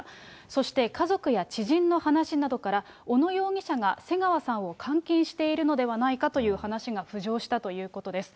そして、家族や知人の話などから、小野容疑者が瀬川さんを監禁しているのではないかという話が浮上したということです。